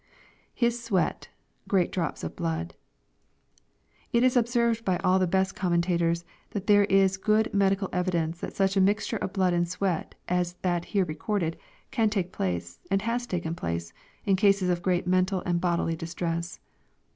[His sweat..,great drops of blood.] It is observed by all the best commentators, that there is good medical evidence that such a mixture of blood and sweat as that here recorded, can take place, and has taken place, in cases of great mental and bodily distress.